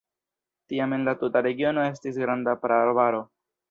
Tiam en la tuta regiono estis granda praarbaro.